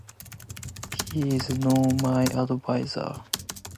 He is not my adviser.